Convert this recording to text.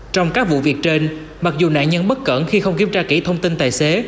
trong các vụ việc trên mặc dù nạn nhân bất cẩn khi không kiểm tra kỹ thông tin tài xế